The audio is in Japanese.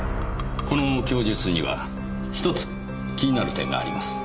この供述には１つ気になる点があります。